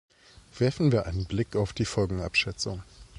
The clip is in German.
Werfen wir einen Blick auf die Folgenabschätzung.